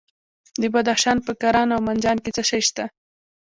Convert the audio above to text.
د بدخشان په کران او منجان کې څه شی شته؟